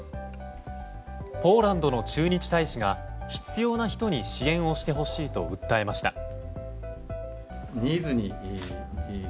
ポーランドの駐日大使が必要な人に支援をしてほしいと訴えました。